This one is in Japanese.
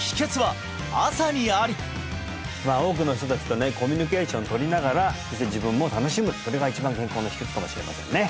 多くの人達とねコミュニケーションとりながらそして自分も楽しむそれが一番健康の秘訣かもしれませんね